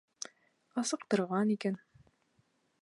Асыҡтырған икән.